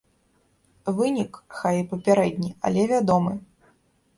Вынік, хай і папярэдні, але вядомы.